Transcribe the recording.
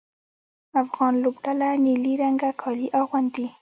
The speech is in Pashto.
افغان لوبډله نیلي رنګه کالي اغوندي.